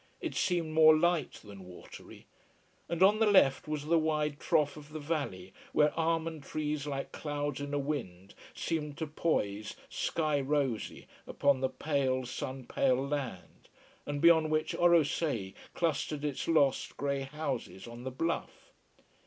It seemed more light than watery. And on the left was the wide trough of the valley, where almond trees like clouds in a wind seemed to poise sky rosy upon the pale, sun pale land, and beyond which Orosei clustered its lost grey houses on the bluff.